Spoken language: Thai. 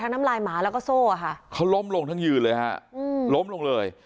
น้ำลายหมาแล้วก็โซ่อ่ะค่ะเขาล้มลงทั้งยืนเลยฮะอืมล้มลงเลย